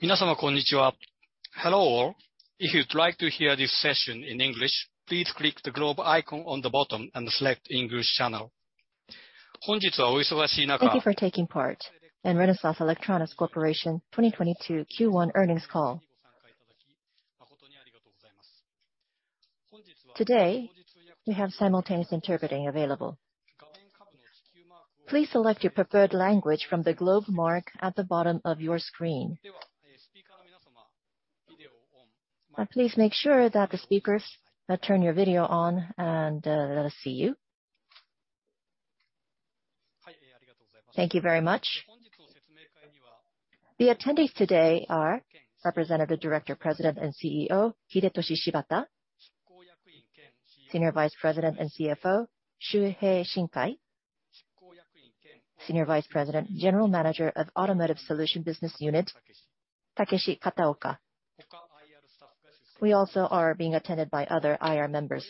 Hello all. If you'd like to hear this session in English, please click the globe icon on the bottom and select English channel. Thank you for taking part in Renesas Electronics Corporation 2022 Q1 earnings call. Today, we have simultaneous interpreting available. Please select your preferred language from the globe mark at the bottom of your screen. Now, please make sure that the speakers turn your video on and let us see you. Thank you very much. The attendees today are Representative Director, President and CEO, Hidetoshi Shibata. Senior Vice President and CFO, Shuhei Shinkai. Senior Vice President, General Manager of Automotive Solution Business Unit, Takeshi Kataoka. We also are being attended by other IR members.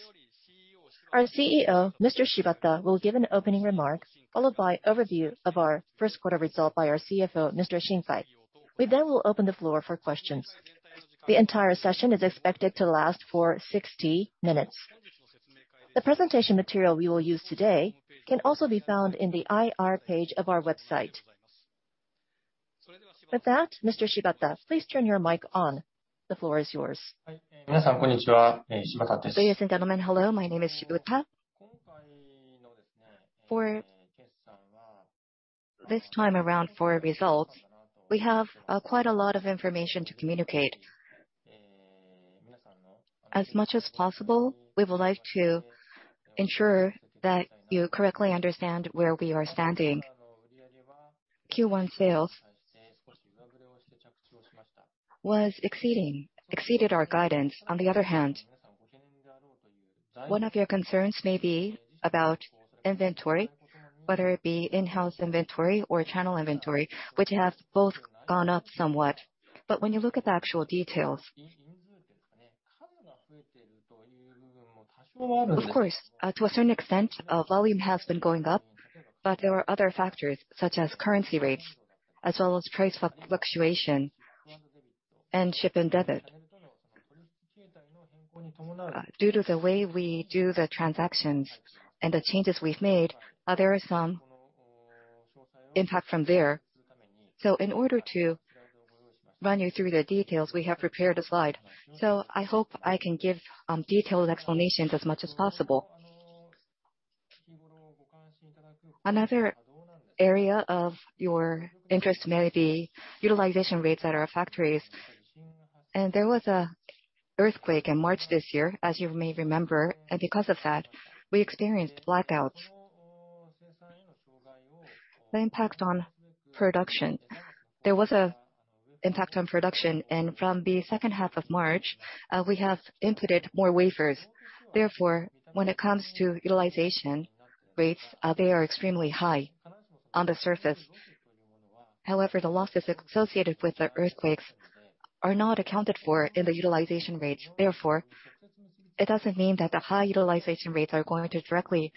Our CEO, Mr. Shibata, will give an opening remark, followed by overview of our first quarter result by our CFO, Mr. Shinkai. We then will open the floor for questions. The entire session is expected to last for 60 minutes. The presentation material we will use today can also be found in the IR page of our website. With that, Mr. Shibata, please turn your mic on. The floor is yours. Ladies and gentlemen, hello, my name is Shibata. For this time around for results, we have quite a lot of information to communicate. As much as possible, we would like to ensure that you correctly understand where we are standing. Q1 sales exceeded our guidance. On the other hand, one of your concerns may be about inventory, whether it be in-house inventory or channel inventory, which have both gone up somewhat. When you look at the actual details, of course, to a certain extent, volume has been going up, but there are other factors such as currency rates, as well as price fluctuation and ship and debit. Due to the way we do the transactions and the changes we've made, there is some impact from there. In order to run you through the details, we have prepared a slide. I hope I can give detailed explanations as much as possible. Another area of your interest may be utilization rates at our factories. There was an earthquake in March this year, as you may remember, and because of that, we experienced blackouts. There was an impact on production, and from the second half of March, we have inputted more wafers. Therefore, when it comes to utilization rates, they are extremely high on the surface. However, the losses associated with the earthquakes are not accounted for in the utilization rates. Therefore, it doesn't mean that the high utilization rates are going to directly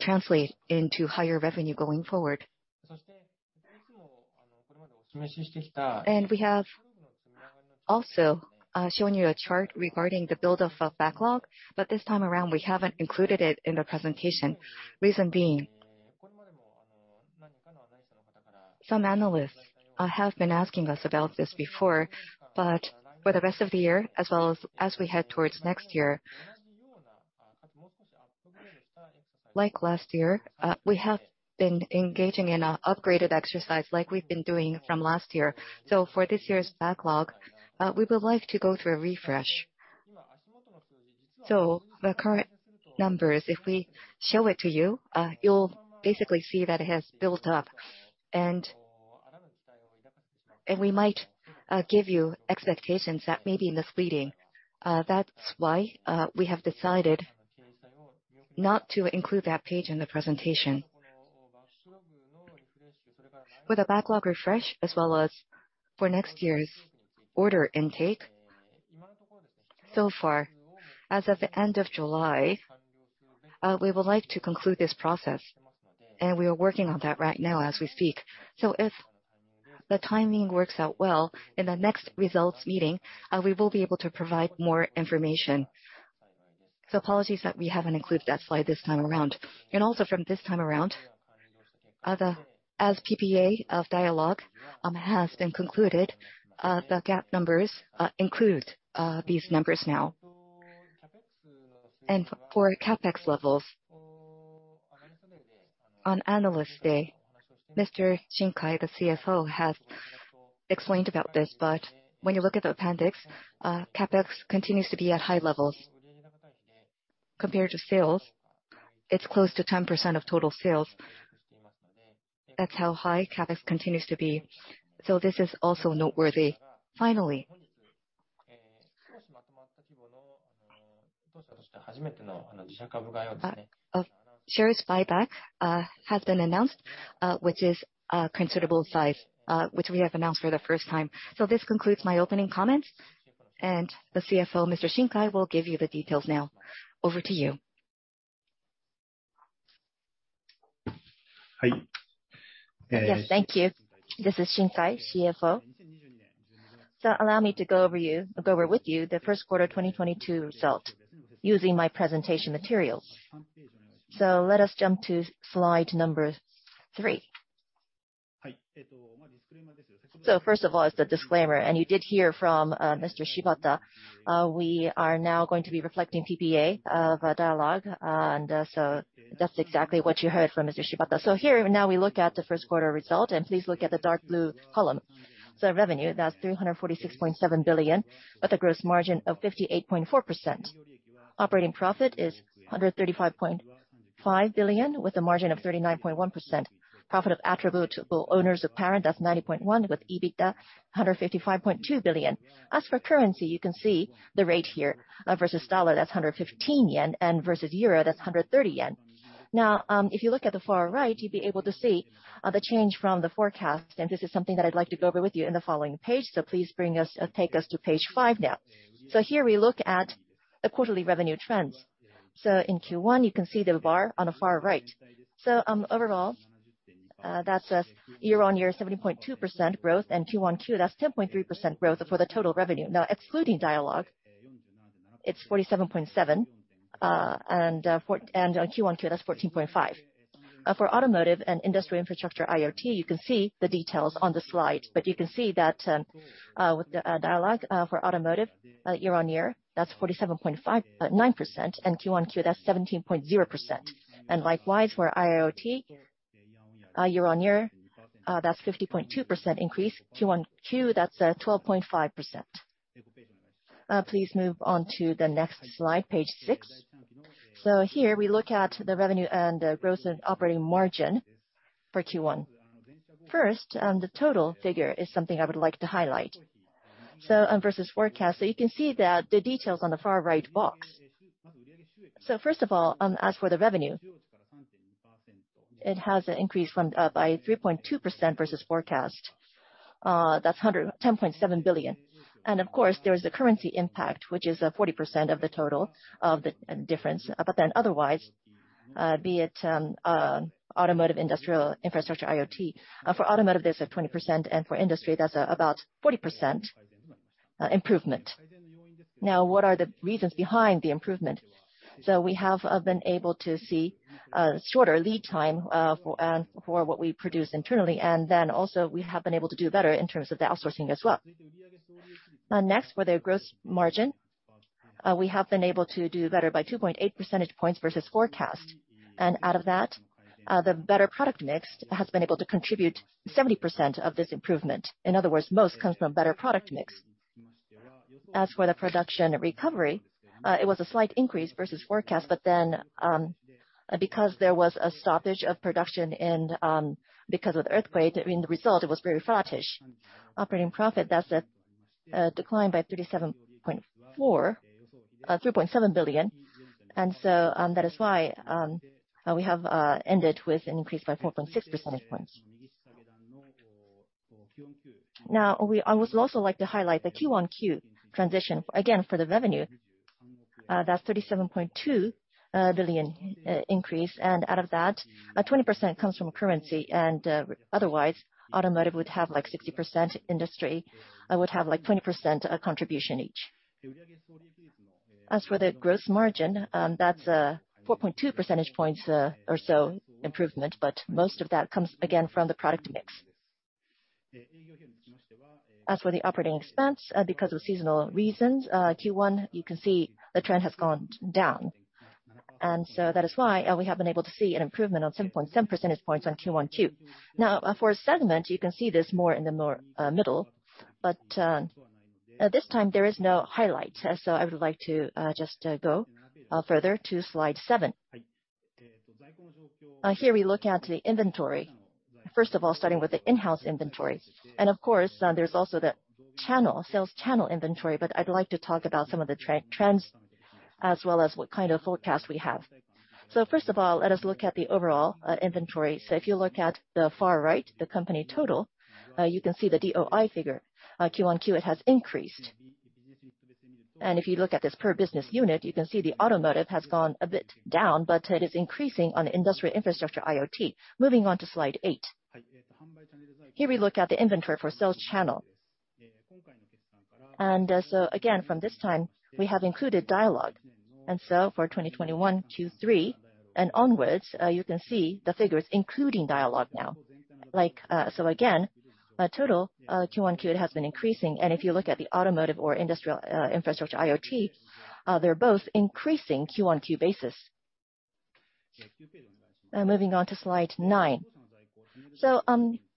translate into higher revenue going forward. We have also shown you a chart regarding the build-up of backlog, but this time around, we haven't included it in the presentation. Reason being, some analysts have been asking us about this before, but for the rest of the year, as well as we head towards next year, like last year, we have been engaging in an upgraded exercise like we've been doing from last year. For this year's backlog, we would like to go through a refresh. The current numbers, if we show it to you'll basically see that it has built up. We might give you expectations that may be misleading. That's why we have decided not to include that page in the presentation. For the backlog refresh, as well as for next year's order intake, so far, as of the end of July, we would like to conclude this process. We are working on that right now as we speak. If the timing works out well, in the next results meeting, we will be able to provide more information. Apologies that we haven't included that slide this time around. Also, from this time around, the PPA of Dialog has been concluded, the GAAP numbers include these numbers now. For CapEx levels, on Analyst Day, Mr. Shinkai, the CFO, has explained about this. When you look at the appendix, CapEx continues to be at high levels. Compared to sales, it's close to 10% of total sales. That's how high CapEx continues to be. This is also noteworthy. Finally, a share buyback has been announced, which is a considerable size, which we have announced for the first time. This concludes my opening comments. The CFO, Mr. Shinkai, will give you the details now. Over to you. Hi. Yes, thank you. This is Shinkai, CFO. Allow me to go over with you the first quarter 2022 result using my presentation materials. Let us jump to slide number three. First of all is the disclaimer, and you did hear from Mr. Shibata. We are now going to be reflecting PPA of Dialog, and so that's exactly what you heard from Mr. Shibata. Here, now we look at the first quarter result, and please look at the dark blue column. Revenue, that's 346.7 billion, with a gross margin of 58.4%. Operating profit is 135.5 billion, with a margin of 39.1%. Profit of attributable owners of parent, that's 90.1 billion, with EBITDA 155.2 billion. As for currency, you can see the rate here, versus dollar, that's 115 yen, and versus euro, that's 130 yen. If you look at the far right, you'll be able to see the change from the forecast, and this is something that I'd like to go over with you in the following page. Please take us to page five now. Here we look at the quarterly revenue trends. In Q1, you can see the bar on the far right. Overall, that's a year-on-year 70.2% growth, and QoQ, that's 10.3% growth for the total revenue. Excluding Dialog, it's 47.7%, and QoQ, that's 14.5%. For automotive and industry infrastructure IoT, you can see the details on the slide. You can see that, with the Dialog, for automotive, year-on-year, that's 47.59%, and QoQ, that's 17.0%. Likewise, for IoT, year-on-year, that's 50.2% increase. QoQ, that's 12.5%. Please move on to the next slide, page six. Here we look at the revenue and the gross and operating margin for Q1. First, the total figure is something I would like to highlight. Versus forecast. You can see that the details on the far-right box. First of all, as for the revenue, it has increased by 3.2% versus forecast. That's 110.7 billion. Of course, there is the currency impact, which is 40% of the total of the difference. Otherwise, be it automotive, industrial, infrastructure, IoT. For automotive, there's 20%, and for industry, that's about 40% improvement. Now, what are the reasons behind the improvement? We have been able to see shorter lead time for what we produce internally, and then also we have been able to do better in terms of the outsourcing as well. Next, for the gross margin, we have been able to do better by 2.8 percentage points versus forecast. Out of that, the better product mix has been able to contribute 70% of this improvement. In other words, most comes from better product mix. As for the production recovery, it was a slight increase versus forecast. Because there was a stoppage of production and, because of the earthquake, I mean, the result, it was very flattish. Operating profit, that's declined by 3.7 billion. That is why we have ended with an increase by 4.6 percentage points. Now, I would also like to highlight the QoQ transition. Again, for the revenue, that's 37.2 billion increase. Out of that, 20% comes from currency, and, otherwise, automotive would have like 60% industry, would have like 20% contribution each. As for the gross margin, that's 4.2 percentage points or so improvement, but most of that comes again from the product mix. As for the operating expense, because of seasonal reasons, Q1, you can see the trend has gone down. That is why we have been able to see an improvement of 7.7 percentage points on QoQ. Now, for segment, you can see this more in the middle, but this time there is no highlight. I would like to just go further to slide seven. Here we look at the inventory, first of all starting with the in-house inventory. Of course, there's also the channel, sales channel inventory, but I'd like to talk about some of the trends as well as what kind of forecast we have. First of all, let us look at the overall, inventory. If you look at the far right, the company total, you can see the DOI figure. QoQ, it has increased. If you look at this per business unit, you can see the automotive has gone a bit down, but it is increasing on industrial infrastructure IoT. Moving on to slide eight. Here we look at the inventory for sales channel. Again, from this time, we have included Dialog. For 2021 Q3 and onwards, you can see the figures including Dialog now. Like, so again, total, QoQ, it has been increasing. If you look at the automotive or industrial, infrastructure IoT, they're both increasing QoQ basis. Moving on to slide nine.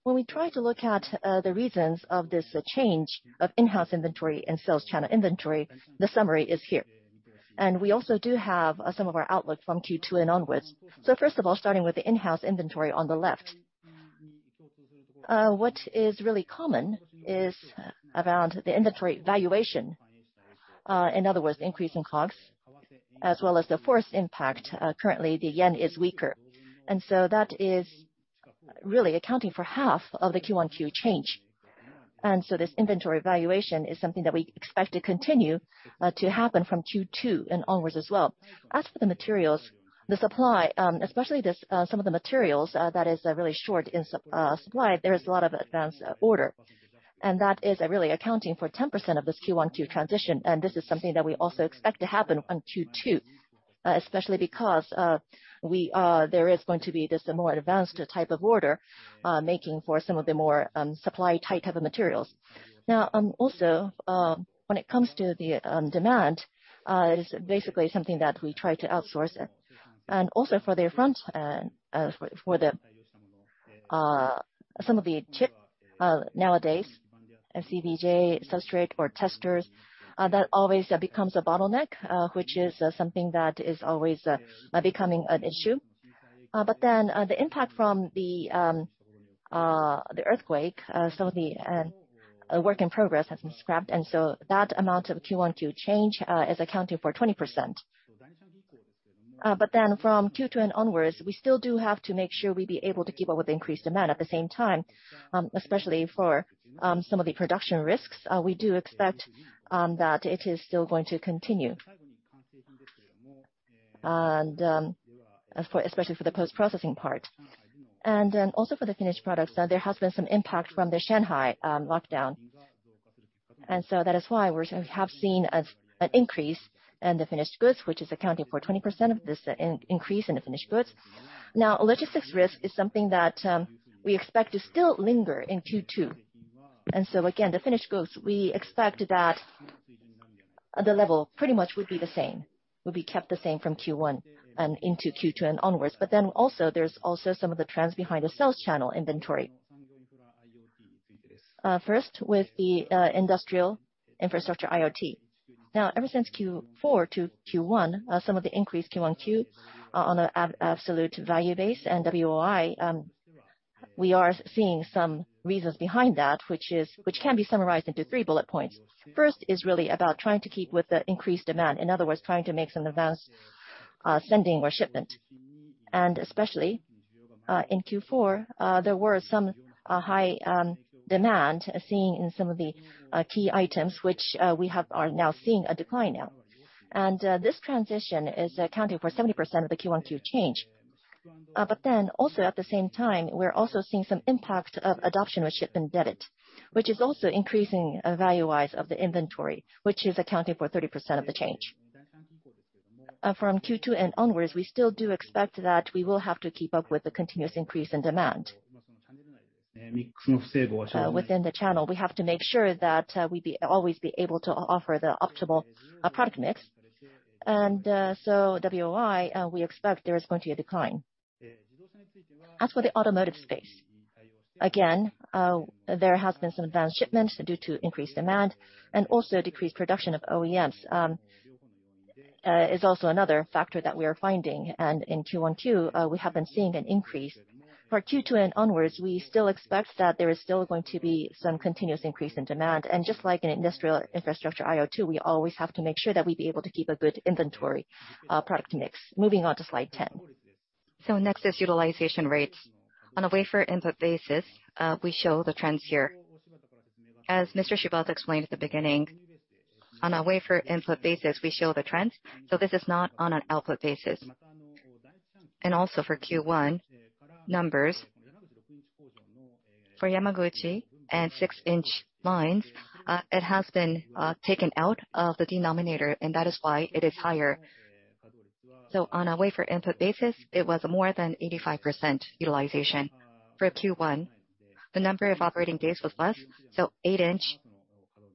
When we try to look at the reasons of this change of in-house inventory and sales channel inventory, the summary is here. We also do have some of our outlook from Q2 and onwards. First of all, starting with the in-house inventory on the left. What is really common is around the inventory valuation, in other words, increase in COGS, as well as the forex impact. Currently the yen is weaker, and so that is really accounting for half of the Q/Q change. This inventory valuation is something that we expect to continue to happen from Q2 and onwards as well. As for the materials, the supply, especially this, some of the materials, that is really short in supply, there is a lot of advance order and that is really accounting for 10% of this QoQ transition, and this is something that we also expect to happen on Q2. Especially because there is going to be this more advance type of order, making for some of the more supply-tight type of materials. Now, also, when it comes to the demand, it is basically something that we try to outsource. Also, for the front, for the some of the chip, nowadays, BGA substrate or testers, that always becomes a bottleneck, which is something that is always becoming an issue. The impact from the earthquake, some of the work in progress has been scrapped and so that amount of QoQ change is accounting for 20%. From Q2 and onwards, we still do have to make sure we be able to keep up with increased demand. At the same time, especially for some of the production risks, we do expect that it is still going to continue. Especially for the post-processing part. Also, for the finished products, there has been some impact from the Shanghai lockdown. That is why we have seen an increase in the finished goods, which is accounting for 20% of this increase in the finished goods. Now, logistics risk is something that, we expect to still linger in Q2. Again, the finished goods, we expect that the level pretty much would be the same, will be kept the same from Q1, into Q2 and onwards. Also, there's also some of the trends behind the sales channel inventory. First, with the, industrial infrastructure IoT. Now, ever since Q4 to Q1, some of the increased QoQ on an absolute value base and DOI, we are seeing some reasons behind that, which can be summarized into three bullet points. First is really about trying to keep with the increased demand. In other words, trying to make some advanced, sending or shipment. Especially, in Q4, there were some high demand seen in some of the key items, which we are now seeing a decline now. This transition is accounting for 70% of the QoQ change. At the same time, we're also seeing some impact of adjustment with ship and debit, which is also increasing value-wise of the inventory, which is accounting for 30% of the change. From Q2 and onwards, we still do expect that we will have to keep up with the continuous increase in demand. Within the channel, we have to make sure that we always be able to offer the optimal product mix. DOI, we expect there is going to be a decline. As for the automotive space, again, there has been some advanced shipments due to increased demand and also decreased production of OEMs, is also another factor that we are finding. In Q1, we have been seeing an increase. For Q2 and onwards, we still expect that there is still going to be some continuous increase in demand. Just like in industrial infrastructure IoT, we always have to make sure that we be able to keep a good inventory, product mix. Moving on to slide 10. Next is utilization rates. On a wafer input basis, we show the trends here. As Mr. Shibata explained at the beginning, on a wafer input basis, we show the trends, so this is not on an output basis. Also for Q1 numbers, for Yamaguchi and six-inch lines, it has been taken out of the denominator and that is why it is higher. On a wafer input basis, it was more than 85% utilization. For Q1, the number of operating days was less, so eight-inch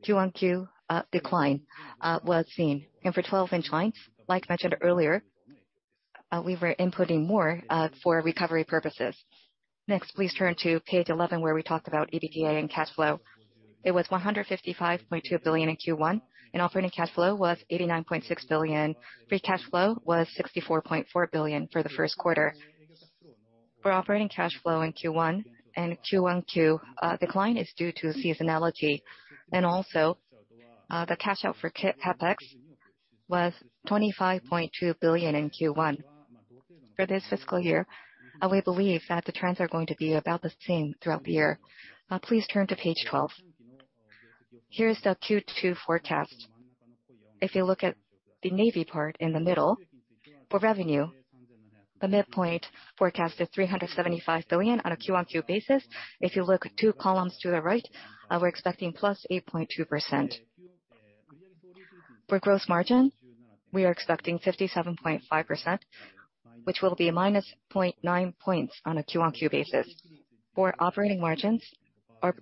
QoQ decline was seen. For twelve-inch lines, like mentioned earlier, we were inputting more for recovery purposes. Next, please turn to page 11, where we talk about EBITDA and cash flow. It was 155.2 billion in Q1, and operating cash flow was 89.6 billion. Free cash flow was 64.4 billion for the first quarter. For operating cash flow in Q1 and QoQ, decline is due to seasonality. Also, the cash out for CapEx was 25.2 billion in Q1. For this fiscal year, we believe that the trends are going to be about the same throughout the year. Please turn to page 12. Here is the Q2 forecast. If you look at the navy part in the middle, for revenue, the midpoint forecast is 375 billion on a QoQ basis. If you look two columns to the right, we're expecting +8.2%. For gross margin, we are expecting 57.5%, which will be -0.9 points on a Q1Q basis. For operating margins, our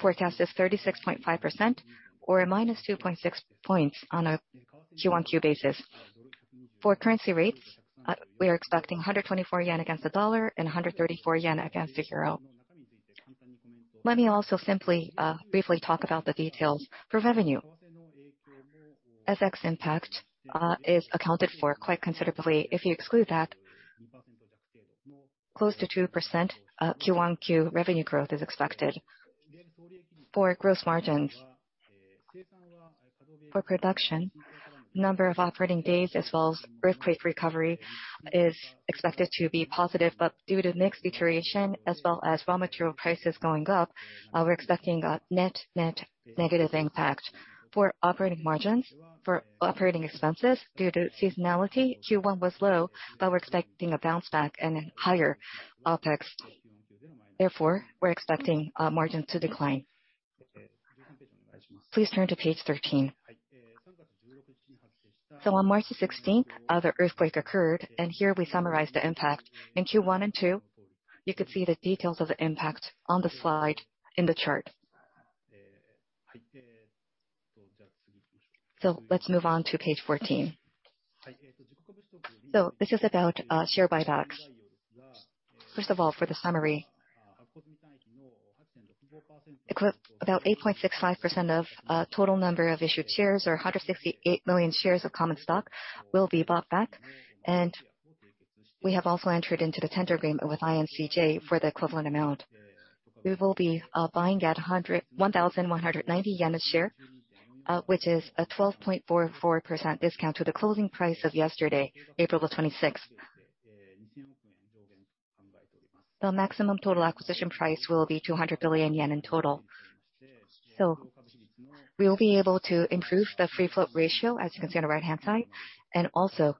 forecast is 36.5% or a -2.6 points on a QoQ basis. For currency rates, we are expecting 124 yen against the dollar and 134 yen against the euro. Let me also simply, briefly talk about the details. For revenue, FX impact is accounted for quite considerably. If you exclude that, close to 2% QoQ revenue growth is expected. For gross margins. For production, number of operating days as well as earthquake recovery is expected to be positive, but due to mix deterioration as well as raw material prices going up, we're expecting a net negative impact. For operating margins, for operating expenses due to seasonality, Q1 was low, but we're expecting a bounce back and then higher OpEx. Therefore, we're expecting margins to decline. Please turn to page 13. On March 16th, the earthquake occurred, and here we summarize the impact. In Q1 and Q2, you could see the details of the impact on the slide in the chart. Let's move on to page 14. This is about share buybacks. First of all, for the summary. About 8.65% of total number of issued shares or 168 million shares of common stock will be bought back. We have also entered into the tender agreement with INCJ for the equivalent amount. We will be buying at 1,190 yen a share, which is a 12.44% discount to the closing price of yesterday, April 26th. The maximum total acquisition price will be 200 billion yen in total. We will be able to improve the free float ratio, as you can see on the right-hand side, and also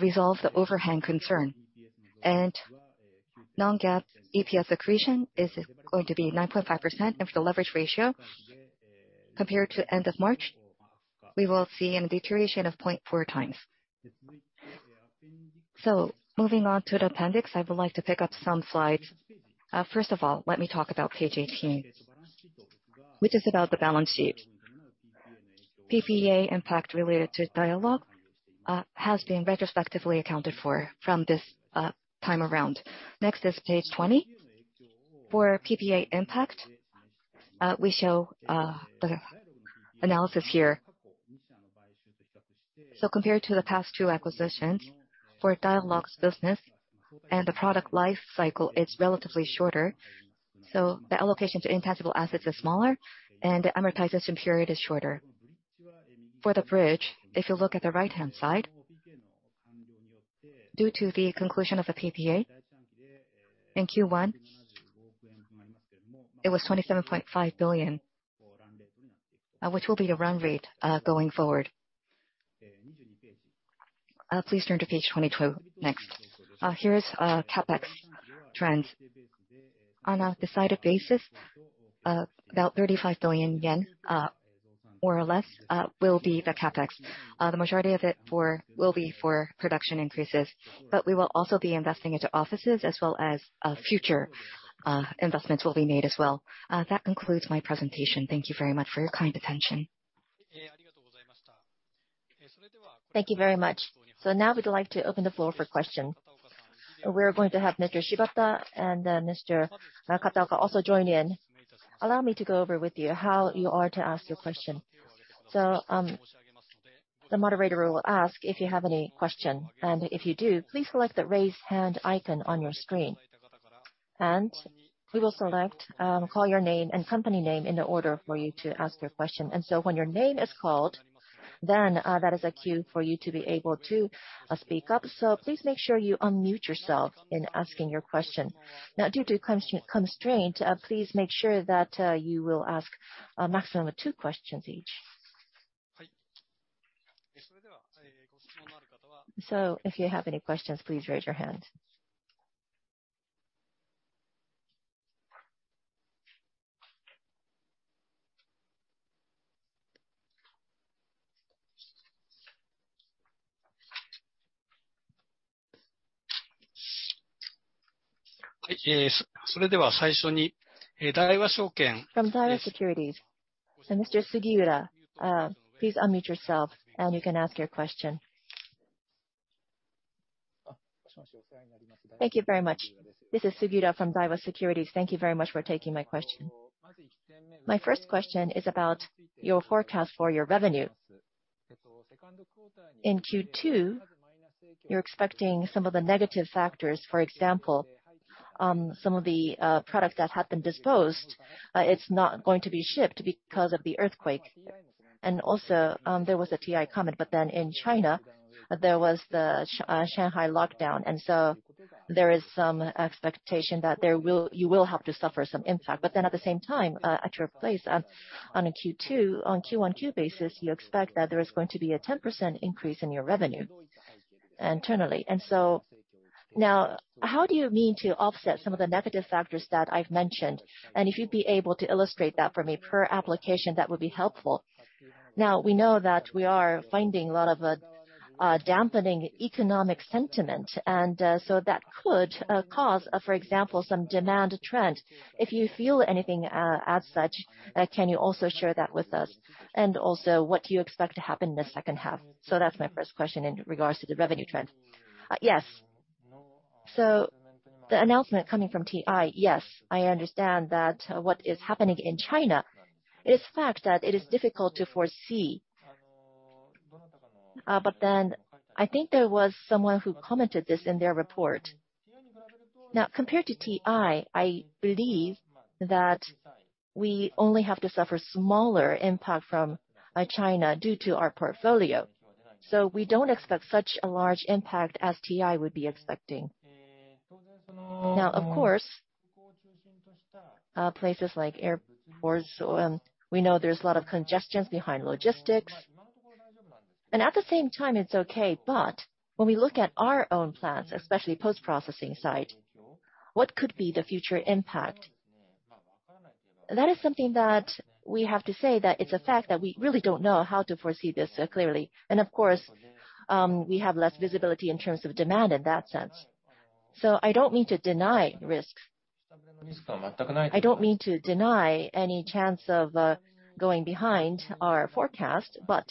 resolve the overhang concern. non-GAAP EPS accretion is going to be 9.5%. For the leverage ratio, compared to end of March, we will see a deterioration of 0.4x. Moving on to the appendix, I would like to pick up some slides. First of all, let me talk about page 18, which is about the balance sheet. PPA impact related to Dialog has been retrospectively accounted for from this time around. Next is page 20. For PPA impact, we show the analysis here. Compared to the past two acquisitions, for Dialog's business and the product life cycle, it's relatively shorter, so the allocation to intangible assets is smaller and the amortization period is shorter. For the bridge, if you look at the right-hand side, due to the conclusion of the PPA, in Q1, it was 27.5 billion, which will be a run rate going forward. Please turn to page 22 next. Here is CapEx trends. On a decided basis, about 35 billion yen, more or less, will be the CapEx. The majority of it will be for production increases. We will also be investing into offices as well as future investments will be made as well. That concludes my presentation. Thank you very much for your kind attention. Thank you very much. Now we'd like to open the floor for questions. We're going to have Mr. Shibata and Mr. Kataoka also join in. Allow me to go over with you how you are to ask your question. The moderator will ask if you have any question, and if you do, please select the Raise Hand icon on your screen. We will select, call your name and company name in the order for you to ask your question. When your name is called, then, that is a cue for you to be able to speak up. Please make sure you unmute yourself in asking your question. Now, due to constraint, please make sure that you will ask a maximum of two questions each. If you have any questions, please raise your hand. From Daiwa Securities. Mr. Sugiura, please unmute yourself and you can ask your question. Thank you very much. This is Sugiura from Daiwa Securities. Thank you very much for taking my question. My first question is about your forecast for your revenue. In Q2, you are expecting some of the negative factors. For example, some of the product that had been disposed, it is not going to be shipped because of the earthquake. Also, there was a TI comment, but then in China, there was the Shanghai lockdown. So there is some expectation that you will have to suffer some impact. At the same time, in your plan on a Q2 QoQ basis, you expect that there is going to be a 10% increase in your revenue internally. Now how do you mean to offset some of the negative factors that I've mentioned? If you'd be able to illustrate that for me per application, that would be helpful. Now, we know that we are finding a lot of dampening economic sentiment. That could cause, for example, some demand trend. If you feel anything as such, can you also share that with us? Also, what do you expect to happen in the second half? That's my first question in regards to the revenue trend. Yes. The announcement coming from TI, yes, I understand that what is happening in China, it is fact that it is difficult to foresee. I think there was someone who commented this in their report. Compared to TI, I believe that we only have to suffer smaller impact from China due to our portfolio. We don't expect such a large impact as TI would be expecting. Of course, places like airports, we know there's a lot of congestion behind logistics. At the same time, it's okay, but when we look at our own plants, especially post-processing side, what could be the future impact? That is something that we have to say that it's a fact that we really don't know how to foresee this clearly. Of course, we have less visibility in terms of demand in that sense. I don't mean to deny risk. I don't mean to deny any chance of going behind our forecast, but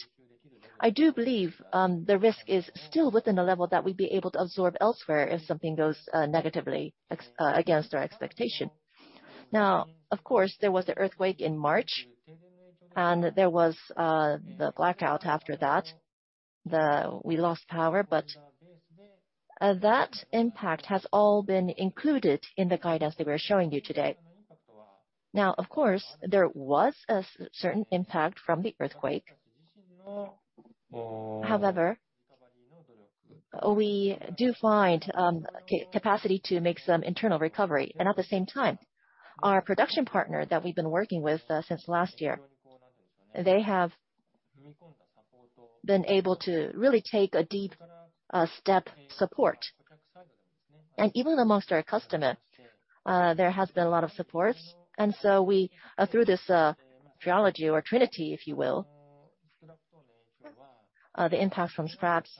I do believe the risk is still within a level that we'd be able to absorb elsewhere if something goes negatively against our expectation. Now, of course, there was the earthquake in March, and there was the blackout after that. We lost power, but that impact has all been included in the guidance that we are showing you today. Now, of course, there was a certain impact from the earthquake. However, we do find capacity to make some internal recovery. At the same time, our production partner that we've been working with since last year, they have been able to really take a deep step support. Even amongst our customer, there has been a lot of support. We through this trilogy or trinity, if you will, the impact from scraps,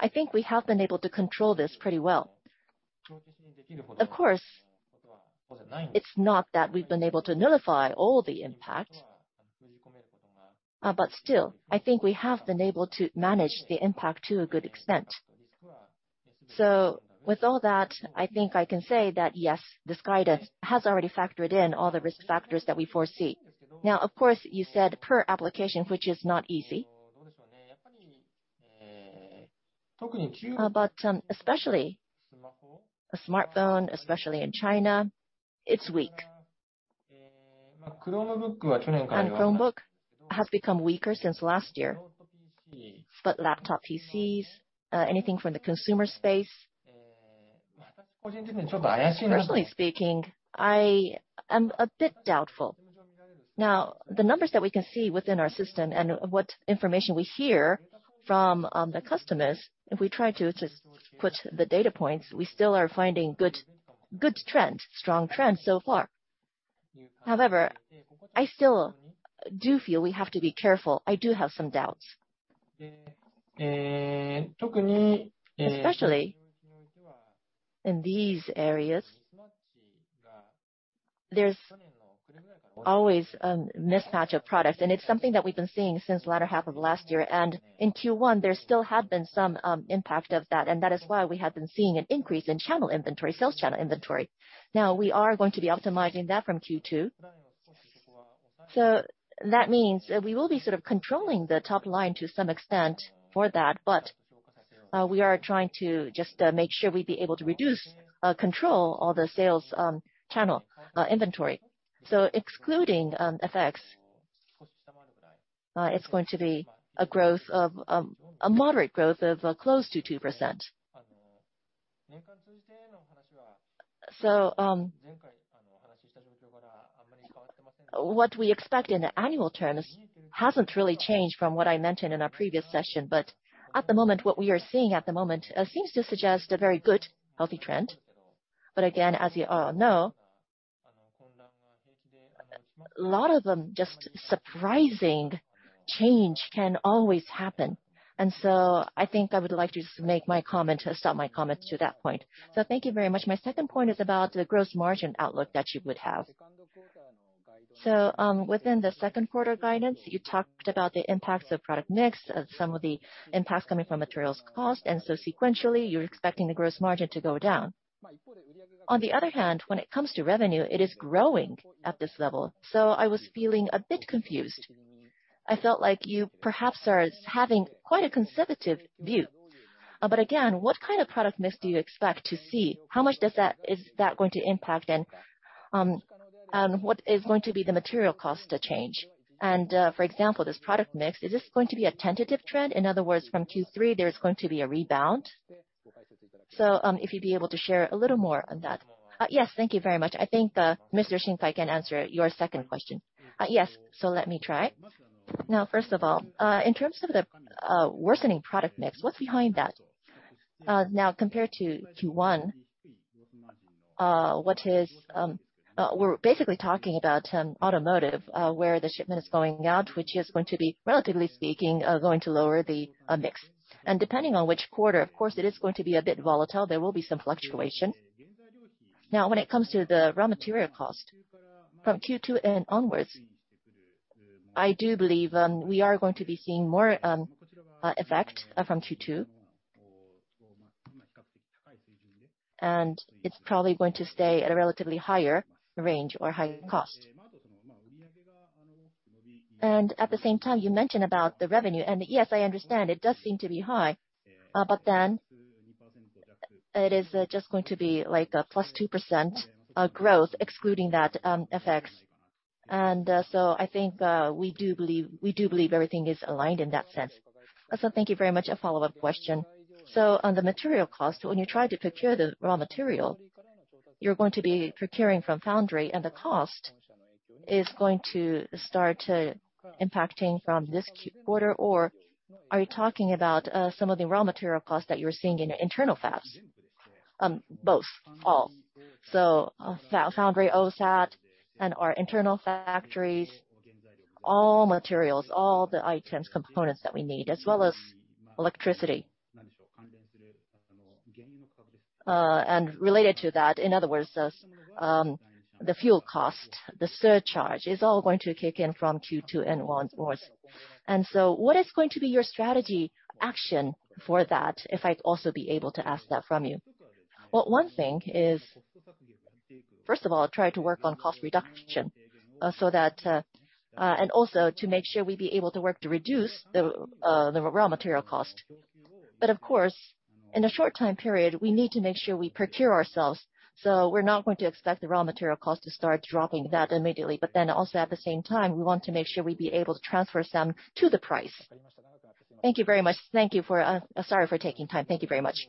I think we have been able to control this pretty well. Of course, it's not that we've been able to nullify all the impact. Still, I think we have been able to manage the impact to a good extent. With all that, I think I can say that, yes, this guidance has already factored in all the risk factors that we foresee. Now, of course, you said per application, which is not easy. Especially a smartphone, especially in China, it's weak. Chromebook has become weaker since last year. Laptop PCs, anything from the consumer space, personally speaking, I am a bit doubtful. Now, the numbers that we can see within our system and what information we hear from the customers, if we try to just put the data points, we still are finding good trend, strong trend so far. However, I still do feel we have to be careful. I do have some doubts. Especially in these areas, there's always a mismatch of products, and it's something that we've been seeing since the latter half of last year. In Q1, there still have been some impact of that, and that is why we have been seeing an increase in channel inventory, sales channel inventory. Now, we are going to be optimizing that from Q2. That means we will be sort of controlling the top line to some extent for that. We are trying to just make sure we'd be able to reduce control all the sales channel inventory. Excluding effects, it's going to be a moderate growth of close to 2%. What we expect in the annual terms hasn't really changed from what I mentioned in our previous session. At the moment, what we are seeing seems to suggest a very good, healthy trend. Again, as you all know, a lot of just surprising change can always happen. I think I would like to just make my comment stop my comment to that point. Thank you very much. My second point is about the gross margin outlook that you would have. Within the second quarter guidance, you talked about the impacts of product mix, of some of the impacts coming from materials cost, and sequentially, you're expecting the gross margin to go down. On the other hand, when it comes to revenue, it is growing at this level. I was feeling a bit confused. I felt like you perhaps are having quite a conservative view. What kind of product mix do you expect to see? How much is that going to impact? What is going to be the material cost to change? For example, this product mix, is this going to be a tentative trend? In other words, from Q3, there's going to be a rebound. If you'd be able to share a little more on that. Yes. Thank you very much. I think, Mr. Shinkai can answer your second question. Yes. Let me try. Now, first of all, in terms of the worsening product mix, what's behind that? Now compared to Q1, we're basically talking about automotive, where the shipment is going out, which is going to be, relatively speaking, going to lower the mix. Depending on which quarter, of course, it is going to be a bit volatile. There will be some fluctuation. Now, when it comes to the raw material cost, from Q2 and onwards, I do believe we are going to be seeing more effect from Q2. It's probably going to stay at a relatively higher range or higher cost. At the same time, you mentioned about the revenue. Yes, I understand it does seem to be high, but then it is just going to be like a +2% growth excluding that FX. I think we do believe everything is aligned in that sense. Thank you very much. A follow-up question. On the material cost, when you try to procure the raw material, you're going to be procuring from foundry, and the cost is going to start impacting from this quarter, or are you talking about some of the raw material costs that you're seeing in your internal fabs? Both. All. Foundry, OSAT, and our internal factories, all materials, all the items, components that we need, as well as electricity. Related to that, in other words, the fuel cost, the surcharge is all going to kick in from Q2 and onwards. What is going to be your strategy action for that, if I'd also be able to ask that from you? Well, one thing is, first of all, try to work on cost reduction, so that, and also to make sure we be able to work to reduce the raw material cost. Of course, in a short time period, we need to make sure we procure ourselves, so we're not going to expect the raw material cost to start dropping that immediately. Also at the same time, we want to make sure we be able to transfer some to the price. Thank you very much. Thank you for sorry for taking time. Thank you very much.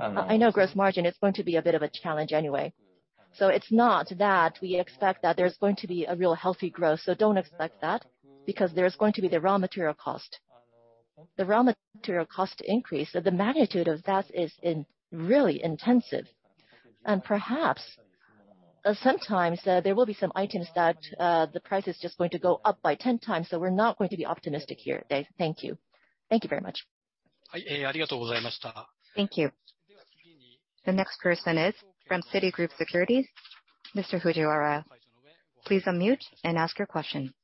I know gross margin is going to be a bit of a challenge anyway. It's not that we expect that there's going to be a real healthy growth, so don't expect that because there's going to be the raw material cost. The raw material cost increase, the magnitude of that is really intense. Perhaps, sometimes, there will be some items that, the price is just going to go up by ten times, so we're not going to be optimistic here. Thank you. Thank you very much. Thank you. The next person is from Citigroup Securities, Mr. Fujiwara. Please unmute and ask your question.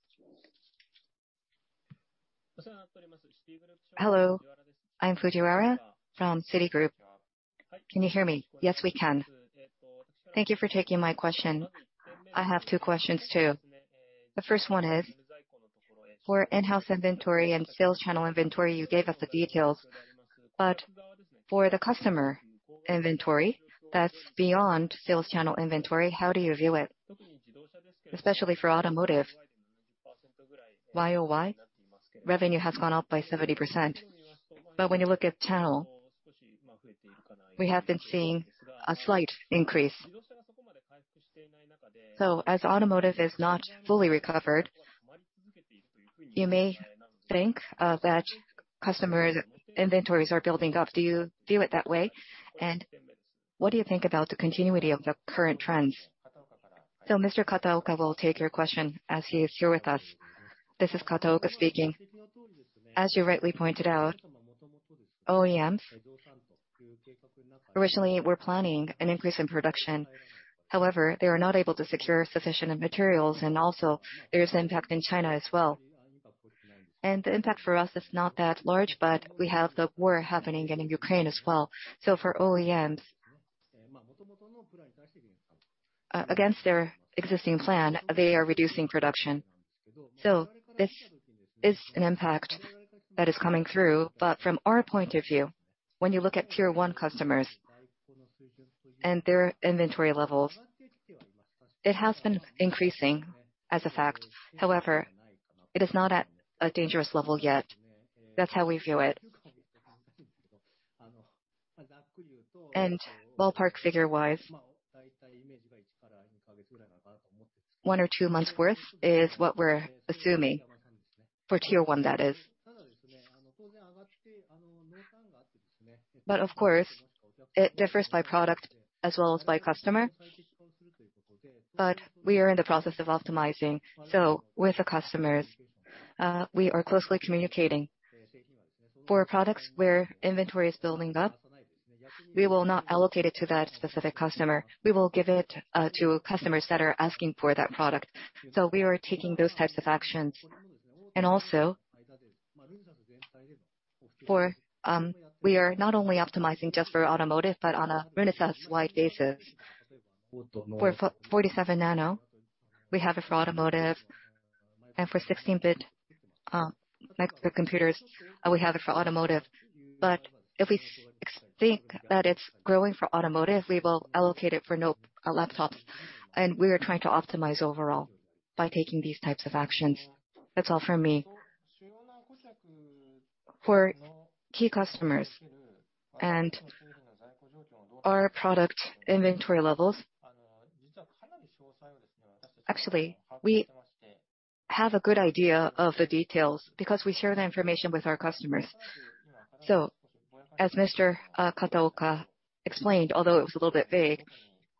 Hello, I'm Fujiwara from Citigroup. Can you hear me? Yes, we can. Thank you for taking my question. I have two questions too. The first one is for in-house inventory and sales channel inventory, you gave us the details. For the customer inventory that's beyond sales channel inventory, how do you view it? Especially for automotive, YoY revenue has gone up by 70%. When you look at channel, we have been seeing a slight increase. As automotive is not fully recovered, you may think that customer inventories are building up. Do you view it that way? And what do you think about the continuity of the current trends? Mr. Kataoka will take your question as he is here with us. This is Kataoka speaking. As you rightly pointed out, OEMs originally were planning an increase in production. However, they are not able to secure sufficient materials, and also there's impact in China as well. The impact for us is not that large, but we have the war happening in Ukraine as well. For OEMs, against their existing plan, they are reducing production. This is an impact that is coming through. From our point of view, when you look at tier one customers and their inventory levels, it has been increasing as a fact. However, it is not at a dangerous level yet. That's how we view it. Ballpark figure-wise, one or two months' worth is what we're assuming. For tier one, that is. Of course, it differs by product as well as by customer. We are in the process of optimizing, so with the customers, we are closely communicating. For products where inventory is building up, we will not allocate it to that specific customer. We will give it to customers that are asking for that product. We are taking those types of actions. We are not only optimizing just for automotive, but on a Renesas-wide basis. For 40nm, we have it for automotive. For 16-bit microcontrollers, we have it for automotive. If we think that it's growing for automotive, we will allocate it not for laptops. We are trying to optimize overall by taking these types of actions. That's all for me. For key customers and our product inventory levels, actually, we have a good idea of the details because we share the information with our customers. As Mr. Kataoka explained, although it was a little bit vague,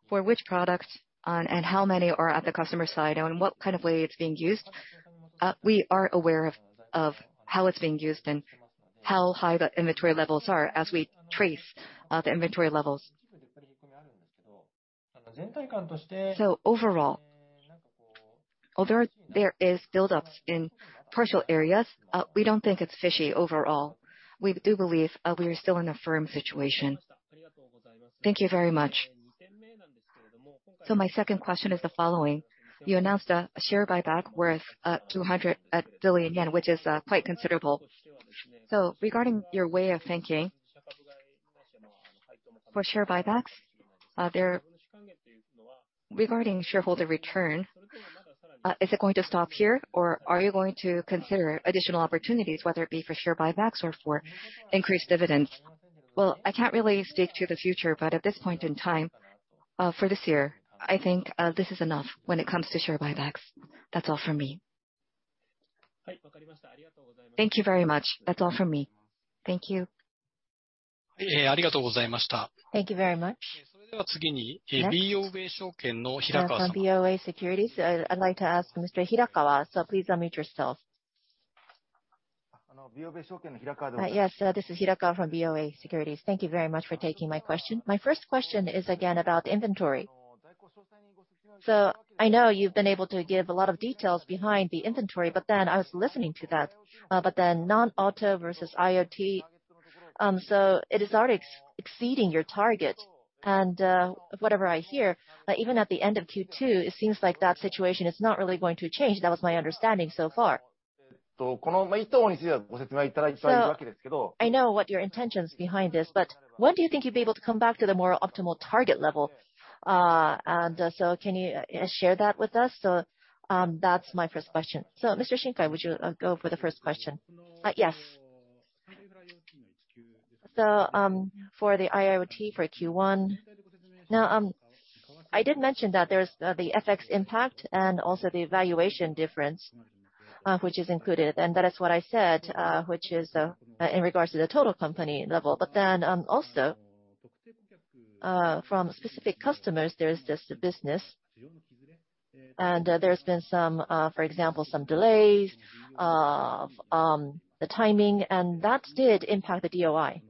for which products and how many are at the customer side and what kind of way it's being used, we are aware of how it's being used and how high the inventory levels are as we trace the inventory levels. Overall, although there is buildups in partial areas, we don't think it's fishy overall. We do believe we are still in a firm situation. Thank you very much. My second question is the following. You announced a share buyback worth 200 billion yen, which is quite considerable. Regarding your way of thinking for share buybacks, there... Regarding shareholder return, is it going to stop here, or are you going to consider additional opportunities, whether it be for share buybacks or for increased dividends? Well, I can't really speak to the future, but at this point in time, for this year, I think, this is enough when it comes to share buybacks. That's all from me. Thank you very much. That's all from me. Thank you. Thank you very much. Next, BofA Securities. I'd like to ask Mr. Hirakawa, so please unmute yourself. Yes, this is Hirakawa from BofA Securities. Thank you very much for taking my question. My first question is again about inventory. I know you've been able to give a lot of details behind the inventory, but then I was listening to that. Non-auto versus IoT, it is already exceeding your target. Whatever I hear, even at the end of Q2, it seems like that situation is not really going to change. That was my understanding so far. I know what your intentions behind this, but when do you think you'll be able to come back to the more optimal target level? Can you share that with us? That's my first question. Mr. Shinkai, would you go for the first question? Yes. For the IoT for Q1, now, I did mention that there's the FX impact and also the valuation difference, which is included. That is what I said, which is in regards to the total company level. Also, from specific customers, there's just a business and, there's been some, for example, some delays, the timing, and that did impact the DOI.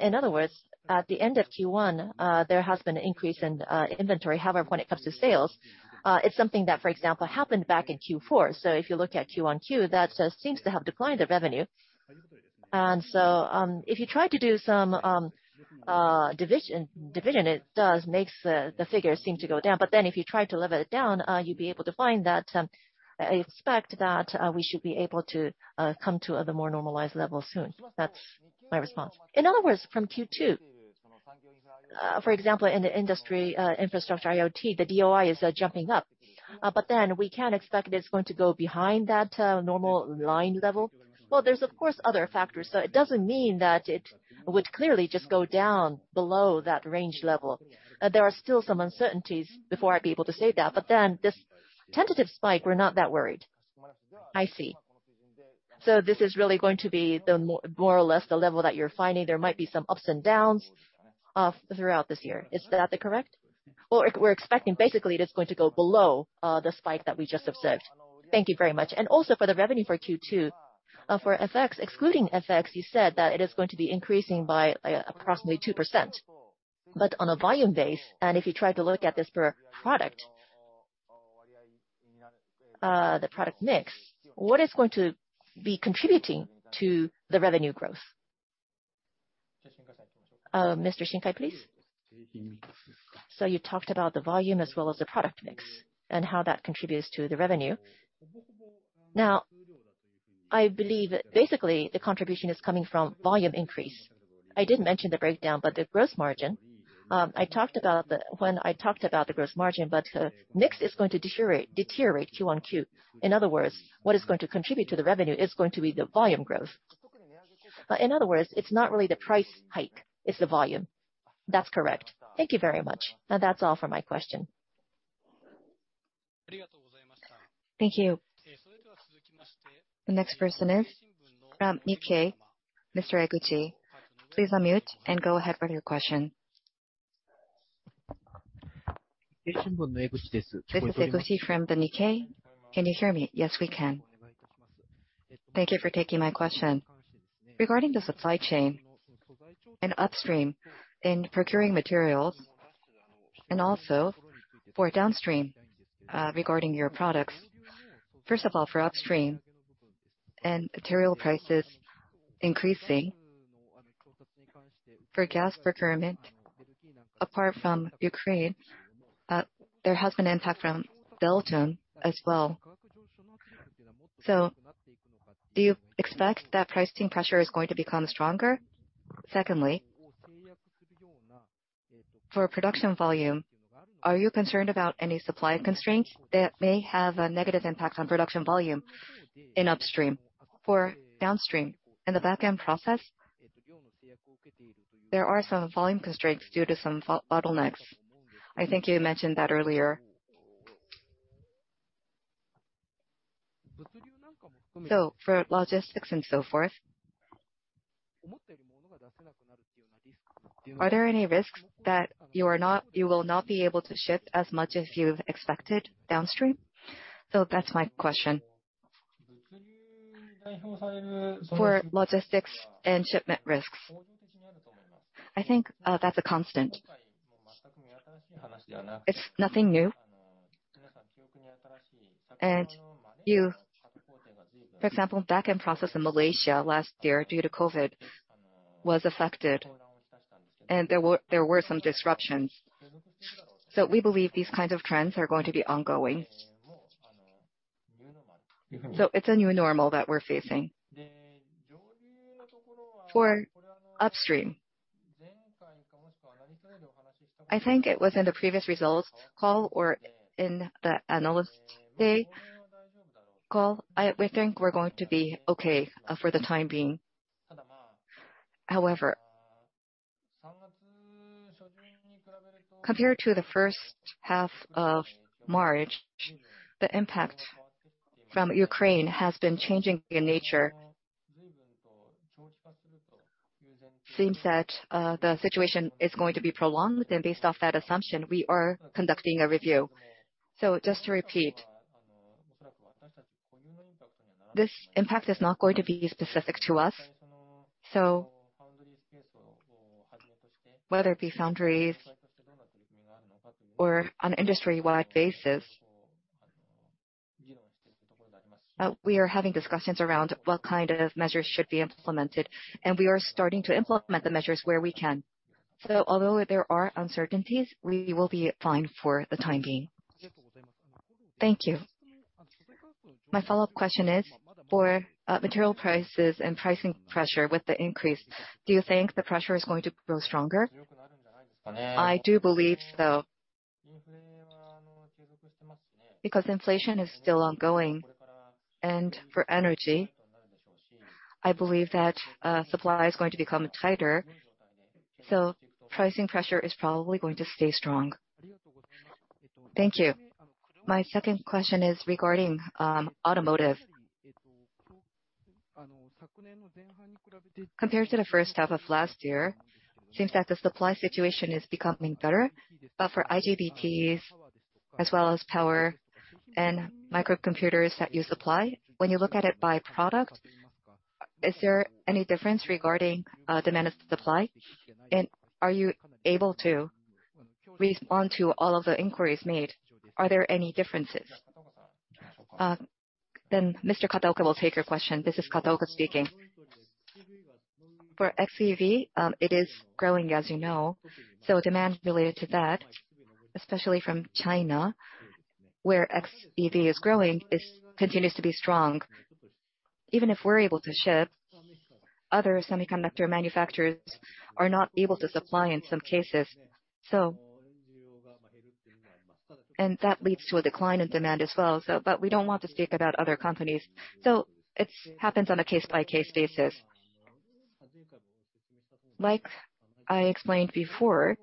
In other words, at the end of Q1, there has been an increase in inventory. However, when it comes to sales, it's something that, for example, happened back in Q4. If you look at QoQ, that seems to have declined the revenue. If you try to do some division, it does makes the figures seem to go down. If you try to level it down, you'd be able to find that I expect that we should be able to come to the more normalized level soon. That's my response. In other words, from Q2, for example, in the industry, infrastructure IoT, the DOI is jumping up. We can expect it's going to go behind that normal line level. Well, there's of course other factors, so it doesn't mean that it would clearly just go down below that range level. There are still some uncertainties before I'd be able to say that. This tentative spike, we're not that worried. I see. This is really going to be the more or less the level that you're finding. There might be some ups and downs throughout this year. Is that correct? We're expecting basically it's going to go below the spike that we just observed. Thank you very much. Also for the revenue for Q2, for FX, excluding FX, you said that it is going to be increasing by approximately 2%. On a volume basis, and if you try to look at this per product, the product mix, what is going to be contributing to the revenue growth? Mr. Shinkai, please. You talked about the volume as well as the product mix and how that contributes to the revenue. Now, I believe basically the contribution is coming from volume increase. I did mention the breakdown, but the gross margin, I talked about the gross margin, but next is going to deteriorate quarter-on-quarter. In other words, what is going to contribute to the revenue is going to be the volume growth. In other words, it's not really the price hike, it's the volume. That's correct. Thank you very much. Now that's all for my question. Thank you. The next person is from Nikkei, Mr. Eguchi. Please unmute and go ahead with your question. This is Eguchi from the Nikkei. Can you hear me? Yes, we can. Thank you for taking my question. Regarding the supply chain and upstream in procuring materials and also for downstream, regarding your products. First of all, for upstream and material prices increasing, for gas procurement, apart from Ukraine, there has been impact from Belarus as well. Do you expect that pricing pressure is going to become stronger? Secondly, for production volume, are you concerned about any supply constraints that may have a negative impact on production volume in upstream? For downstream, in the back-end process, there are some volume constraints due to some fab bottlenecks. I think you mentioned that earlier. For logistics and so forth, are there any risks that you will not be able to ship as much as you've expected downstream? That's my question. For logistics and shipment risks, I think, that's a constant. It's nothing new. You, for example, back-end process in Malaysia last year due to COVID was affected, and there were some disruptions. We believe these kinds of trends are going to be ongoing. It's a new normal that we're facing. For upstream, I think it was in the previous results call or in the Analyst Day call. We think we're going to be okay for the time being. However, compared to the first half of March, the impact from Ukraine has been changing in nature. Seems that the situation is going to be prolonged, and based off that assumption, we are conducting a review. Just to repeat, this impact is not going to be specific to us. Whether it be foundries or an industry-wide basis, we are having discussions around what kind of measures should be implemented, and we are starting to implement the measures where we can. Although there are uncertainties, we will be fine for the time being. Thank you. My follow-up question is for, material prices and pricing pressure with the increase, do you think the pressure is going to grow stronger? I do believe so. Because inflation is still ongoing, and for energy, I believe that, supply is going to become tighter. Pricing pressure is probably going to stay strong. Thank you. My second question is regarding, automotive. Compared to the first half of last year, seems that the supply situation is becoming better. For IGBTs as well as power and microcomputers that you supply, when you look at it by product, is there any difference regarding demand and supply? Are you able to respond to all of the inquiries made? Are there any differences? Mr. Kataoka will take your question. This is Kataoka speaking. For XEV, it is growing, as you know. Demand related to that, especially from China, where XEV is growing, continues to be strong. Even if we're able to ship, other semiconductor manufacturers are not able to supply in some cases. That leads to a decline in demand as well, but we don't want to speak about other companies. It happens on a case-by-case basis. Like I explained before,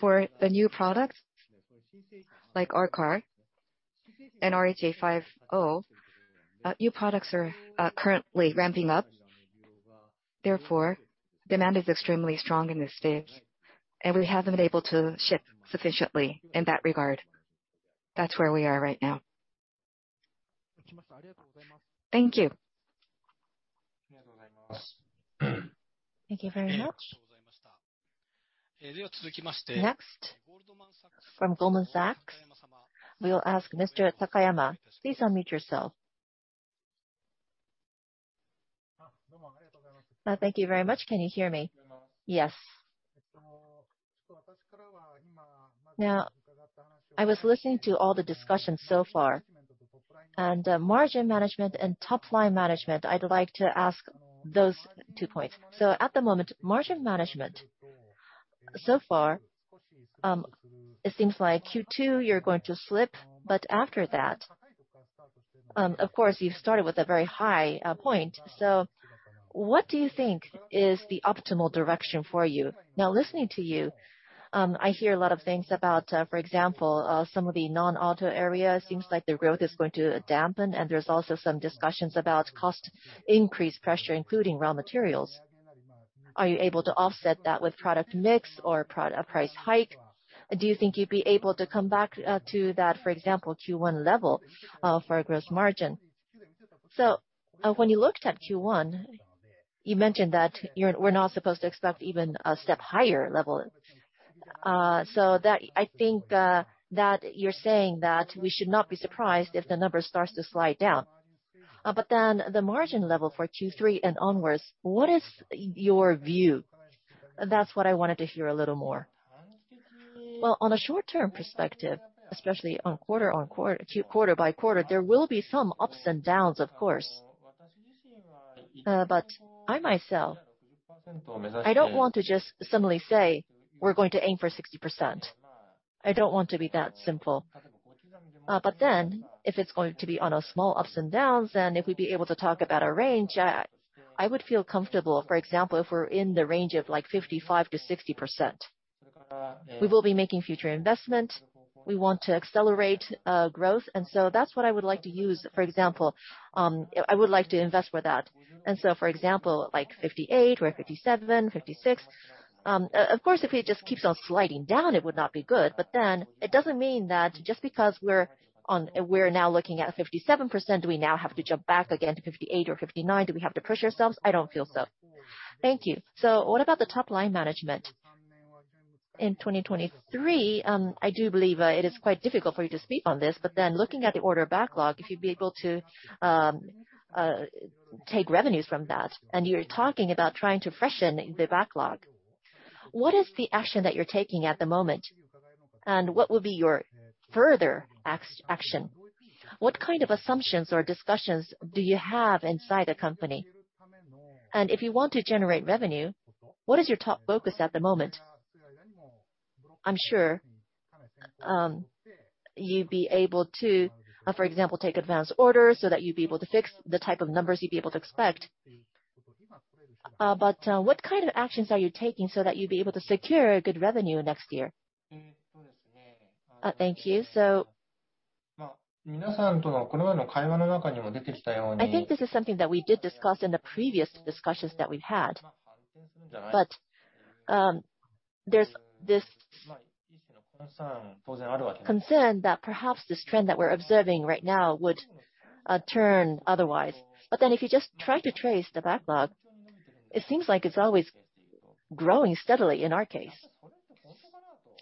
for the new products like R-Car and RH850, new products are currently ramping up. Therefore, demand is extremely strong in this stage, and we haven't been able to ship sufficiently in that regard. That's where we are right now. Thank you. Thank you very much. Next, from Goldman Sachs, we'll ask Mr. Takayama. Please unmute yourself. Thank you very much. Can you hear me? Yes. Now, I was listening to all the discussions so far, and margin management and top line management, I'd like to ask those two points. At the moment, margin management, so far, it seems like Q2 you're going to slip. After that, of course you've started with a very high point. What do you think is the optimal direction for you? Now, listening to you, I hear a lot of things about, for example, some of the non-auto areas seems like the growth is going to dampen and there's also some discussions about cost increase pressure, including raw materials. Are you able to offset that with product mix or a price hike? Do you think you'd be able to come back to that, for example, Q1 level, for our gross margin? When you looked at Q1, you mentioned that we're not supposed to expect even a step higher level. That I think that you're saying that we should not be surprised if the number starts to slide down. The margin level for Q3 and onwards, what is your view? That's what I wanted to hear a little more. Well, on a short-term perspective, especially on quarter by quarter, there will be some ups and downs, of course. But I myself, I don't want to just suddenly say we're going to aim for 60%. I don't want to be that simple. But then if it's going to be on a small ups and downs, then if we'd be able to talk about a range, I would feel comfortable, for example, if we're in the range of like 55%-60%. We will be making future investment. We want to accelerate growth. That's what I would like to use. For example, I would like to invest with that. For example, like 58%, 57%, 56%, of course, if it just keeps on sliding down, it would not be good. It doesn't mean that just because we're on, we're now looking at 57%, do we now have to jump back again to 58% or 59%? Do we have to push ourselves? I don't feel so. Thank you. What about the top line management? In 2023, I do believe it is quite difficult for you to speak on this, but looking at the order backlog, if you'd be able to take revenues from that, and you're talking about trying to freshen the backlog. What is the action that you're taking at the moment? And what will be your further action? What kind of assumptions or discussions do you have inside the company? And if you want to generate revenue, what is your top focus at the moment? I'm sure you'd be able to, for example, take advanced orders so that you'd be able to fix the type of numbers you'd be able to expect. But what kind of actions are you taking so that you'd be able to secure good revenue next year? Thank you. I think this is something that we did discuss in the previous discussions that we've had. There's this concern that perhaps this trend that we're observing right now would turn otherwise. If you just try to trace the backlog, it seems like it's always growing steadily in our case.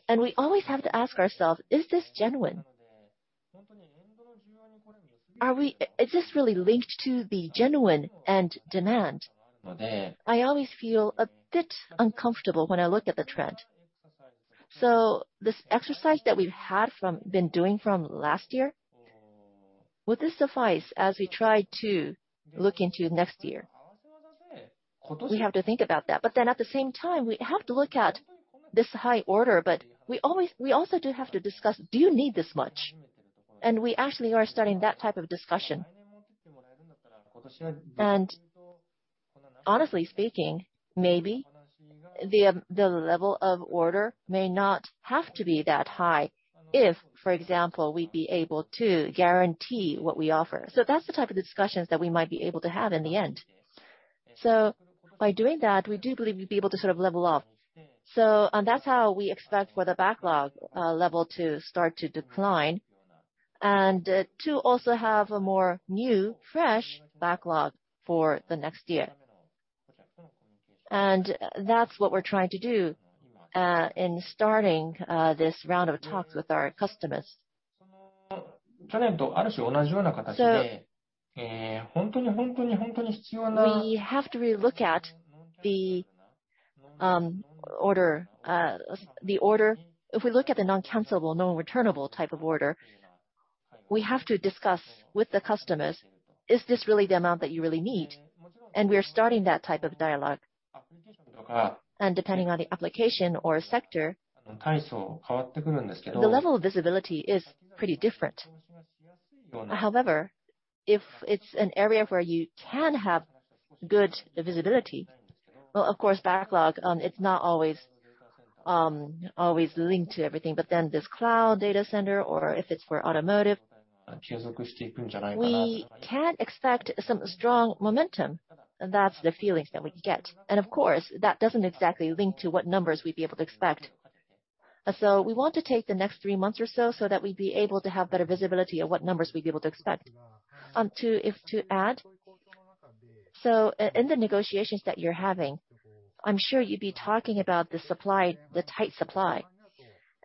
We always have to ask ourselves, "Is this genuine?" Is this really linked to the genuine end demand? I always feel a bit uncomfortable when I look at the trend. This exercise that we've been doing from last year, would this suffice as we try to look into next year? We have to think about that. At the same time, we have to look at this high order, we also have to discuss, do you need this much? We actually are starting that type of discussion. Honestly speaking, maybe the level of order may not have to be that high if, for example, we'd be able to guarantee what we offer. That's the type of discussions that we might be able to have in the end. By doing that, we do believe we'd be able to sort of level off. That's how we expect for the backlog level to start to decline, and to also have a more new, fresh backlog for the next year. That's what we're trying to do in starting this round of talks with our customers. We have to relook at the order. If we look at the non-cancellable, non-returnable type of order, we have to discuss with the customers, is this really the amount that you really need? We are starting that type of dialogue. Depending on the application or sector, the level of visibility is pretty different. However, if it's an area where you can have good visibility, well, of course, backlog, it's not always linked to everything. This cloud data center, or if it's for automotive, we can expect some strong momentum. That's the feelings that we get. Of course, that doesn't exactly link to what numbers we'd be able to expect. We want to take the next three months or so that we'd be able to have better visibility on what numbers we'd be able to expect. To add, in the negotiations that you're having, I'm sure you'd be talking about the supply, the tight supply.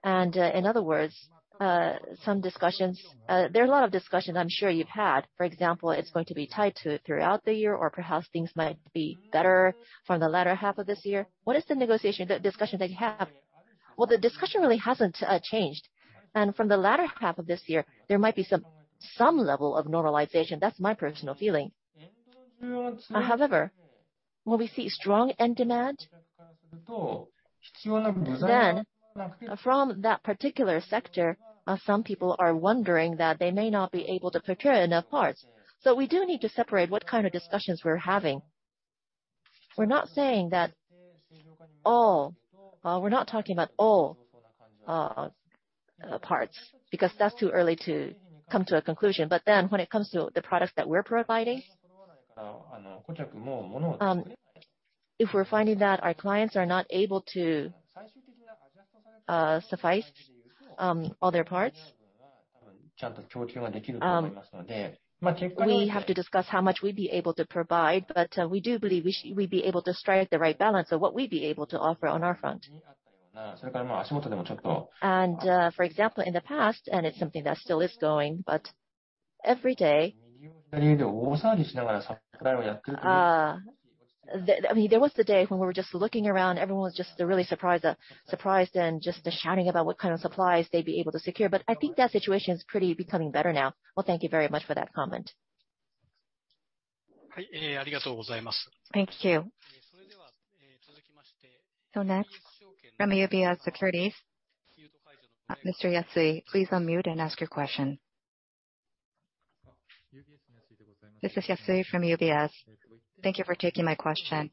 In other words, there are a lot of discussions I'm sure you've had. For example, it's going to be tight throughout the year, or perhaps things might be better for the latter half of this year. What is the negotiation, the discussion that you have? Well, the discussion really hasn't changed. From the latter half of this year, there might be some level of normalization. That's my personal feeling. However, when we see strong end demand, then from that particular sector, some people are wondering that they may not be able to procure enough parts. We do need to separate what kind of discussions we're having. We're not talking about all parts because that's too early to come to a conclusion. When it comes to the products that we're providing, if we're finding that our clients are not able to suffice all their parts, we have to discuss how much we'd be able to provide, but we do believe we'd be able to strike the right balance of what we'd be able to offer on our front. For example, in the past, and it's something that still is going, but every day, I mean, there was the day when we were just looking around, everyone was just really surprised and just shouting about what kind of supplies they'd be able to secure. I think that situation is pretty becoming better now. Well, thank you very much for that comment. Thank you. Next, from UBS Securities, Mr. Yasui, please unmute and ask your question. This is Yasui from UBS. Thank you for taking my question.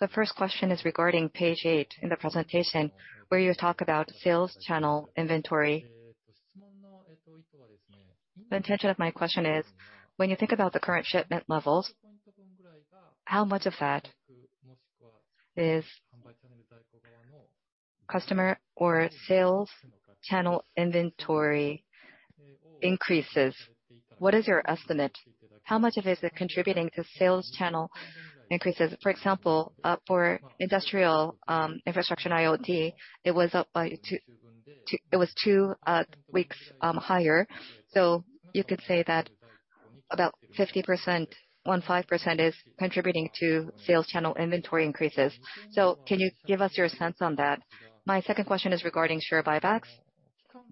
The first question is regarding page 8 in the presentation, where you talk about sales channel inventory. The intention of my question is, when you think about the current shipment levels, how much of that is customer or sales channel inventory increases, what is your estimate? How much of it is contributing to sales channel increases? For example, for industrial, infrastructure and IoT, it was up by 2 weeks higher. You could say that about 50%, 15% is contributing to sales channel inventory increases. Can you give us your sense on that? My second question is regarding share buybacks.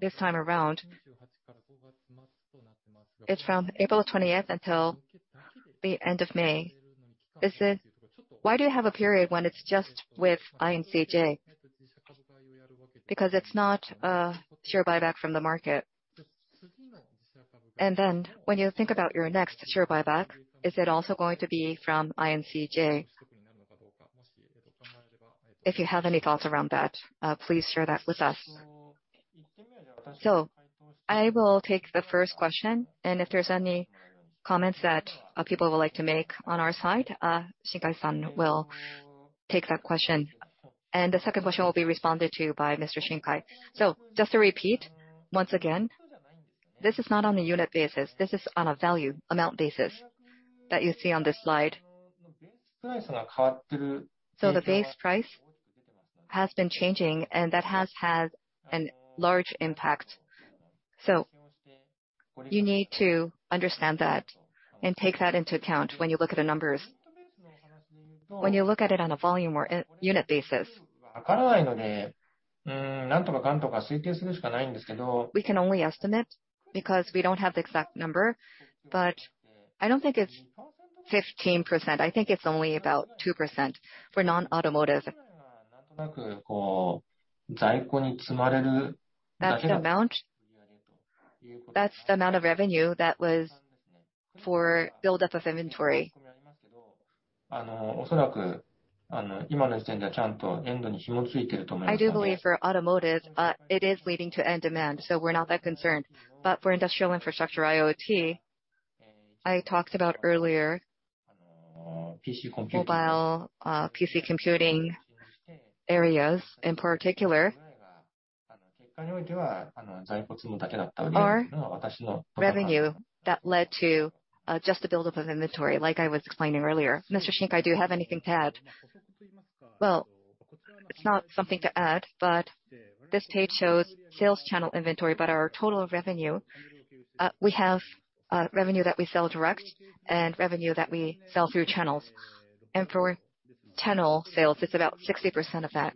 This time around, it's from April 20 until the end of May. Is it, why do you have a period when it's just with INCJ? Because it's not a share buyback from the market. When you think about your next share buyback, is it also going to be from INCJ? If you have any thoughts around that, please share that with us. I will take the first question, and if there's any comments that people would like to make on our side, Shinkai-san will take that question. The second question will be responded to by Mr. Shinkai. Just to repeat once again, this is not on a unit basis. This is on a value amount basis that you see on this slide. The base price has been changing, and that has had a large impact. You need to understand that and take that into account when you look at the numbers. When you look at it on a volume or unit basis, we can only estimate because we don't have the exact number, but I don't think it's 15%. I think it's only about 2% for non-automotive. That amount, that's the amount of revenue that was for buildup of inventory. I do believe for automotive, it is leading to end demand, so we're not that concerned. But for industrial infrastructure IoT, I talked about earlier mobile, PC computing areas in particular are revenue that led to, just the buildup of inventory, like I was explaining earlier. Mr. Shinkai, do you have anything to add? Well, it's not something to add, but this page shows sales channel inventory. Our total revenue, we have, revenue that we sell direct and revenue that we sell through channels. For channel sales, it's about 60% of that.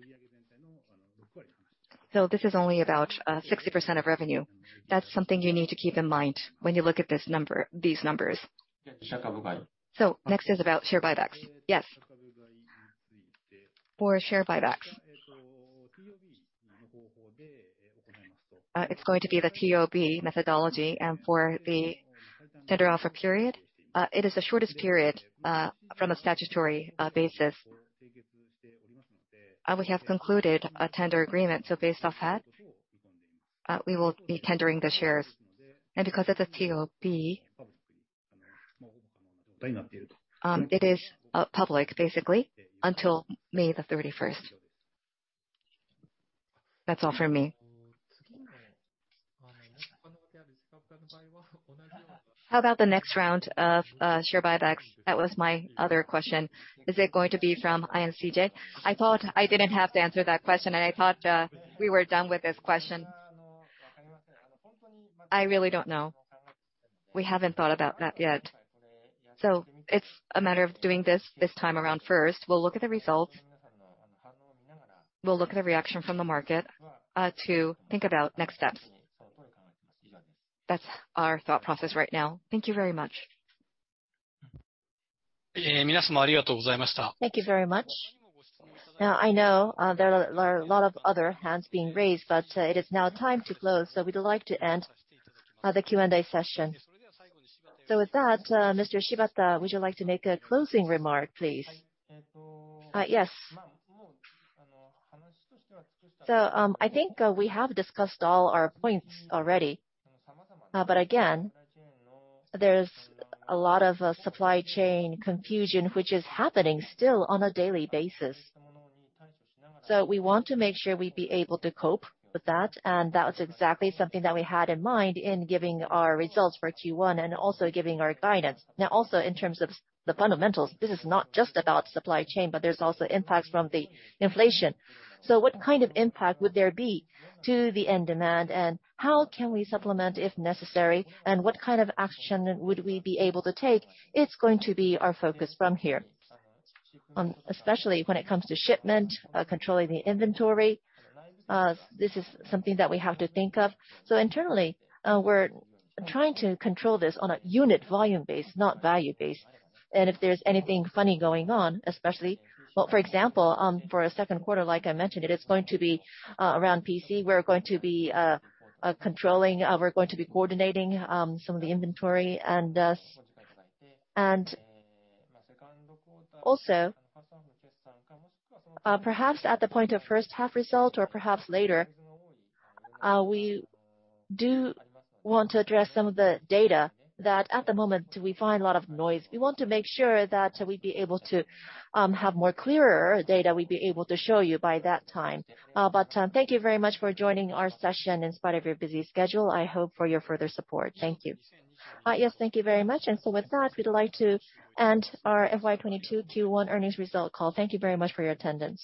This is only about 60% of revenue. That's something you need to keep in mind when you look at this number, these numbers. Next is about share buybacks. Yes. For share buybacks, it's going to be the TOB methodology. For the tender offer period, it is the shortest period from a statutory basis. We have concluded a tender agreement, so based off that, we will be tendering the shares. Because it's a TOB, it is public basically until May 31st. That's all for me. How about the next round of share buybacks? That was my other question. Is it going to be from INCJ? I thought I didn't have to answer that question, and I thought we were done with this question. I really don't know. We haven't thought about that yet. It's a matter of doing this time around first. We'll look at the results. We'll look at the reaction from the market to think about next steps. That's our thought process right now. Thank you very much. Thank you very much. Now I know there are a lot of other hands being raised, but it is now time to close. We'd like to end the Q&A session. With that, Mr. Shibata, would you like to make a closing remark, please? Yes. I think we have discussed all our points already. Again, there's a lot of supply chain confusion which is happening still on a daily basis. We want to make sure we'd be able to cope with that, and that was exactly something that we had in mind in giving our results for Q1 and also giving our guidance. Now, also, in terms of the fundamentals, this is not just about supply chain, but there's also impacts from the inflation. What kind of impact would there be to the end demand, and how can we supplement if necessary, and what kind of action would we be able to take? It's going to be our focus from here. Especially when it comes to shipment, controlling the inventory, this is something that we have to think of. Internally, we're trying to control this on a unit volume base, not value base. If there's anything funny going on, especially, for example, for our second quarter, like I mentioned, it is going to be around PC. We're going to be coordinating some of the inventory. Perhaps at the point of first half result or perhaps later, we do want to address some of the data that at the moment we find a lot of noise. We want to make sure that we'd be able to have more clearer data we'd be able to show you by that time. Thank you very much for joining our session in spite of your busy schedule. I hope for your further support. Thank you. Yes. Thank you very much. With that, we'd like to end our FY 2022 Q1 earnings result call. Thank you very much for your attendance.